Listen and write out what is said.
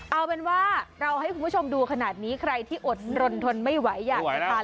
เอาเป็นว่าเราให้คุณผู้ชมดูขนาดนี้ใครที่อดรนทนไม่ไหวอยากจะทาน